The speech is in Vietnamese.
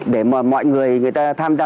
để mọi người người ta tham gia